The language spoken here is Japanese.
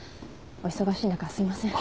お忙しい中すいません。